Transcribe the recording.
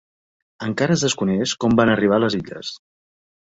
Encara es desconeix com van arribar a les illes.